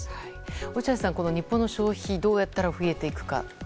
落合さん、日本の消費どうやったら増えていくか。